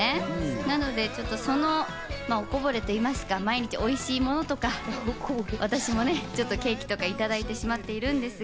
なので、そのおこぼれと言いますか、毎日おいしいものとか、私もちょっとケーキとかいただいてしまっているんですが。